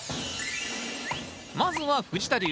まずは藤田流。